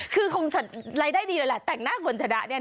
คือคงรายได้ดีเลยแหละแต่งหน้าคนชนะเนี่ย